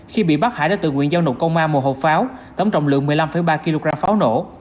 khi bị bắt hải đã tự nguyện giao nộp công an một hộp pháo tổng trọng lượng một mươi năm ba kg pháo nổ